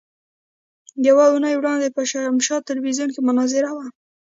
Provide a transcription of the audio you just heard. يوه اونۍ وړاندې په شمشاد ټلوېزيون کې مناظره وه.